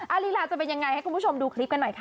ลีลาจะเป็นยังไงให้คุณผู้ชมดูคลิปกันหน่อยค่ะ